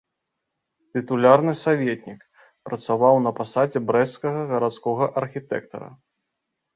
Тытулярны саветнік, працаваў на пасадзе брэсцкага гарадскога архітэктара.